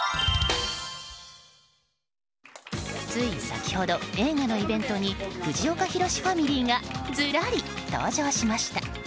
つい先ほど、映画のイベントに藤岡弘、ファミリーがずらり登場しました。